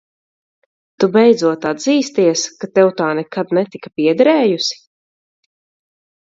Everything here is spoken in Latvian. Tu beidzot atzīsties, ka tev tā nekad netika piederējusi?